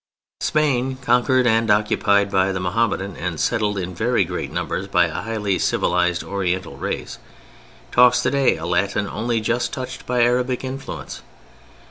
Spain, conquered and occupied by the Mohammedan, and settled in very great numbers by a highly civilized Oriental race, talks today a Latin only just touched by Arabic influence.